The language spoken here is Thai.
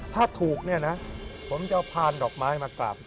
ถ้าถูกเนี่ยนะผมจะเอาพานดอกไม้มากราบ